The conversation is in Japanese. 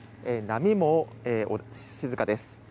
波も静かです。